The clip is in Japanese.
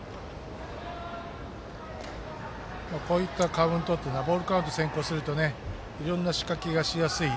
こういったカウントっていうのはボールカウント先行するといろんな仕掛けがしやすい。